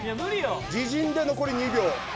自陣で残り２秒。